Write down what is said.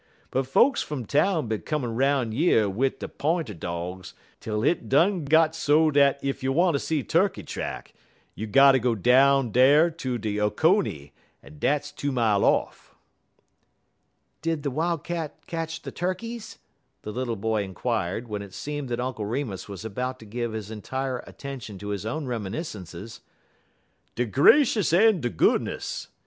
But folks fum town been comin' 'roun' yer wid der p'inter dogs twel hit done got so dat ef you wanter see turkey track you gotter go down dar ter de Oconee, en dat's two mile off." "Did the Wildcat catch the turkeys?" the little boy inquired, when it seemed that Uncle Remus was about to give his entire attention to his own reminiscences. "De gracious en de goodness!"